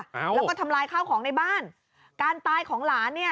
อ้าวแล้วก็ทำลายข้าวของในบ้านการตายของหลานเนี่ย